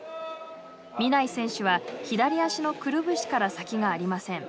南井選手は左足のくるぶしから先がありません。